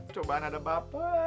cobaan ada bapak